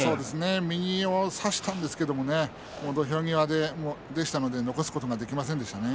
右を差したんですけれども土俵際でしたので残すことができませんでしたね。